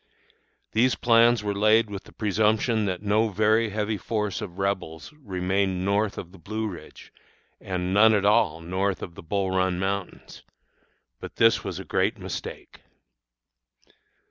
These plans were laid with the presumption that no very heavy force of Rebels remained north of the Blue Ridge, and none at all north of the Bull Run Mountains. But this was a great mistake.